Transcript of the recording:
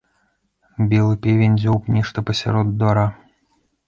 Белы певень дзёўб нешта пасярод двара.